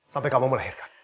sampai kamu melahirkan